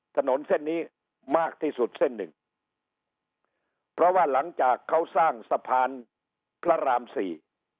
ถนนเส้นนี้มากที่สุดเส้นหนึ่งเพราะว่าหลังจากเขาสร้างสะพานพระรามสี่